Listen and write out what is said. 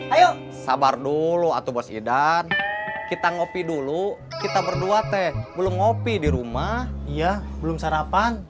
ayo sabar dulu atau bos idan kita ngopi dulu kita berdua teh belum ngopi di rumah iya belum sarapan